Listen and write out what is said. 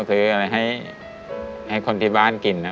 ซื้ออะไรให้คนที่บ้านกินนะ